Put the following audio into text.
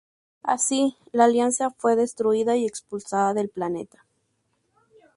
Así, la Alianza fue destruida y expulsada del planeta.